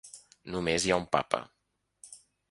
Només hi ha un papa